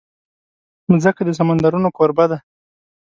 مځکه د سمندرونو کوربه ده.